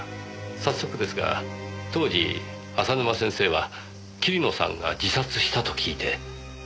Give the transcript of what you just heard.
早速ですが当時浅沼先生は桐野さんが自殺したと聞いてどう思われました？